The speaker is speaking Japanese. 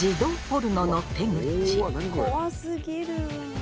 怖すぎる！